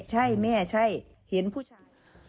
ใช่แม่ใช่เห็นผู้ชาย